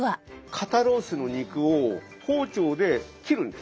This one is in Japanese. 肩ロースの肉を包丁で切るんです。